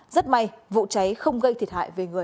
rất may vụ cháy không gây thiệt hại về người